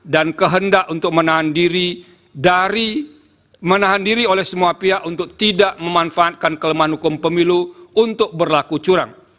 dan kehendak untuk menahan diri oleh semua pihak untuk tidak memanfaatkan kelemahan hukum pemilu untuk berlaku curang